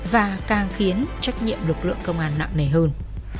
và càng khiến trách nhiệm lực lượng công an nặng nề hơn